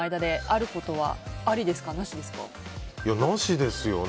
なしですよね。